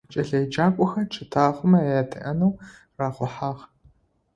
Кӏэлэеджакӏохэр чэтахъомэ адеӏэнэу рахъухьагъ.